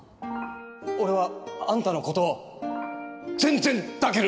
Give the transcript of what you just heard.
俺はあんたの事全然抱ける！